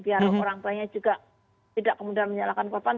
biar orang tuanya juga tidak kemudian menyalahkan korban